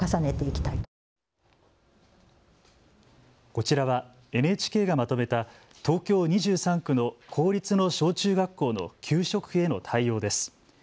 こちらはＮＨＫがまとめた東京２３区の公立の小中学校の給食費への対応です。